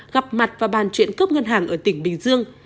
gặp mặt và bàn chuyển cướp ngân hàng ở tỉnh bình dương